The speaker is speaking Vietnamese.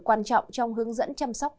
quan trọng trong hướng dẫn chăm sóc